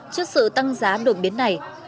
trước sự tăng giá đột biến này